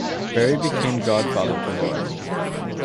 Barrie became godfather to Laura.